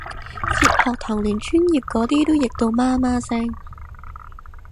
哲學堂連專業嗰啲都譯到媽媽聲